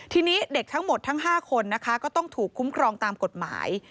ทีนี้เด็กทั้งหมดทั้ง๕คนนะคะก็ต้องถูกคุ้มครองตามกฎหมาย